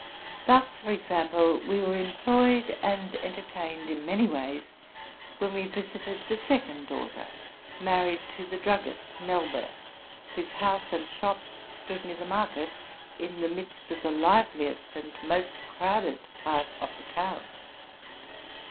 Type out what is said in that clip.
Thus, for example, we were employed and entertained in many ways when we visited the second daughter, married to the druggist Melber, whose house and shop 'stood near the market, in the midst of the liveliest and most crowded part of the town.